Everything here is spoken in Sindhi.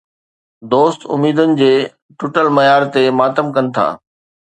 دوست اميدن جي ٽٽل معيار تي ماتم ڪن ٿا.